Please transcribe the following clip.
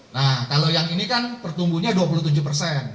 nah kalau yang ini kan pertumbuhnya dua puluh tujuh persen